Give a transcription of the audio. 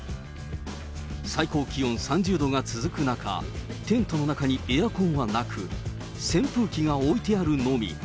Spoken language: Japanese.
最高気温３０度が続く中、テントの中にエアコンはなく、扇風機が置いてあるのみ。